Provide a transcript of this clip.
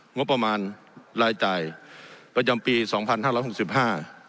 งบประมาณรายจ่ายประจำปีสองพันห้าร้อยหกสิบห้า